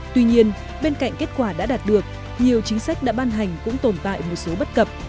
tuy nhiên bên cạnh kết quả đã đạt được nhiều chính sách đã ban hành cũng tồn tại một số bất cập